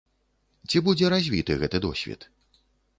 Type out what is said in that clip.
Ці будзе развіты гэты досвед?